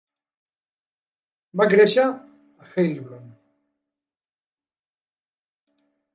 Va créixer a Heilbronn.